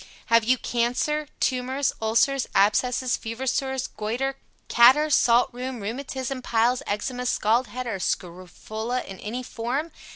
HAVE YOU CANCER, Tumors, Ulcers, Abscesses, Fever Sores, Goitre, Catarrh, Salt Rheum, Rheumatism, Piles, Eczema, Scald Head, or Scrofula in any form?